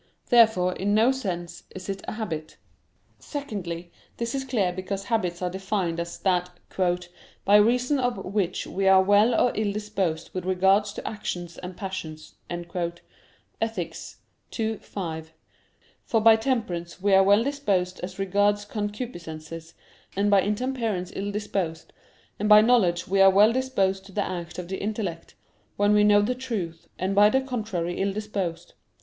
Therefore in no sense is it a habit. Secondly, this is clear because habits are defined as that "by reason of which we are well or ill disposed with regard to actions and passions" (Ethic. ii, 5); for by temperance we are well disposed as regards concupiscences, and by intemperance ill disposed: and by knowledge we are well disposed to the act of the intellect when we know the truth, and by the contrary ill disposed.